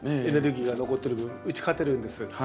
エネルギーが残ってる分打ち勝てるんです。